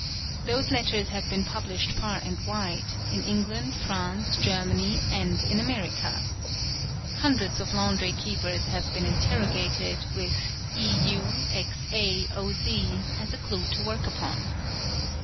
"Those letters have been published far and wide—in England, France, _ Germany, and in America. Hundreds of laundry keepers have been ~ interrogated, with EU XAOZ as a clue to work upon.